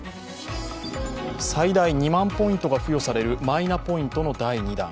最大２万ポイントが付与されるマイナポイントの第２弾。